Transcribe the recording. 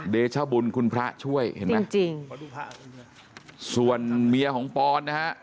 เดชบุญคุณพระช่วยเห็นไหมจริงส่วนเมียของปอนนะฮะ